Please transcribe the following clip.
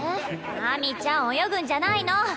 秋水ちゃん泳ぐんじゃないの！